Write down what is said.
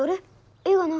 絵がない。